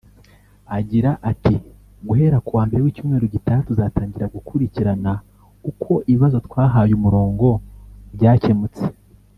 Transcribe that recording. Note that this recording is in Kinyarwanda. Agira ati “Guhera ku wa mbere w’icyumweru gitaha tuzatangira gukurikirana uko ibibazo twahaye umurongo byakemutse